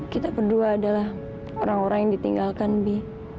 kita berdua adalah orang orang yang ditinggalkan bi